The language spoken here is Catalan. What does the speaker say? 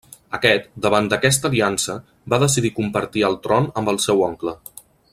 Aquest, davant d'aquesta aliança, va decidir compartir el tron amb el seu oncle.